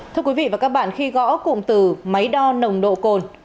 thưa quý vị và các bạn khi gõ cụm từ máy đo nồng độ cồn